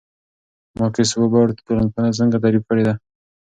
ماکس وِبر ټولنپوهنه څنګه تعریف کړې ده؟